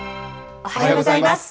おはようございます。